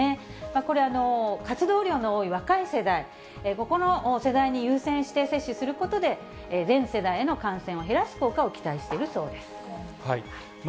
これ、活動量の多い若い世代、ここの世代に優先して接種することで、全世代への感染を減らす効果を期待しているそうです。